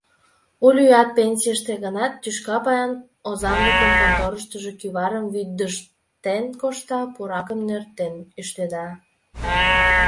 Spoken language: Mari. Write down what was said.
Улюат пенсийыште гынат, тӱшка паян озанлыкын конторыштыжо кӱварым вӱдыжтен кошта, пуракым нӧртен ӱштеда.